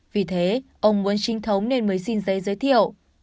vì thế ông muốn trinh thống nên mới xin giấy giới thiệu